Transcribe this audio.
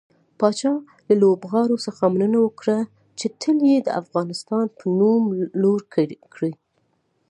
پاچا له لوبغاړو څخه مننه وکړه چې تل يې د افغانستان نوم لوړ کړى.